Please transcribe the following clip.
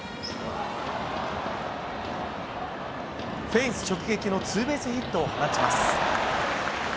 フェンス直撃のツーベースヒットを放ちます。